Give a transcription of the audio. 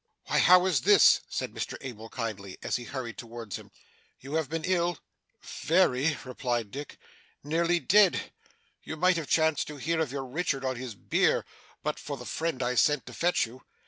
'Why, how is this?' said Mr Abel kindly, as he hurried towards him. 'You have been ill?' 'Very,' replied Dick. 'Nearly dead. You might have chanced to hear of your Richard on his bier, but for the friend I sent to fetch you.